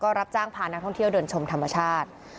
รับจ้างพานักท่องเที่ยวเดินชมธรรมชาติ